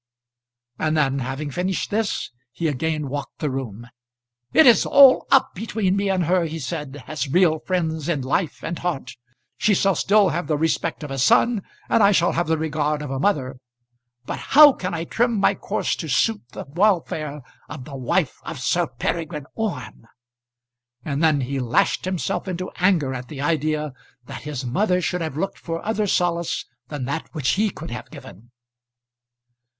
And then, having finished this, he again walked the room. "It is all up between me and her," he said, "as real friends in life and heart. She shall still have the respect of a son, and I shall have the regard of a mother. But how can I trim my course to suit the welfare of the wife of Sir Peregrine Orme?" And then he lashed himself into anger at the idea that his mother should have looked for other solace than that which he could have given.